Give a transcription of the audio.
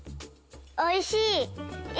おいしい！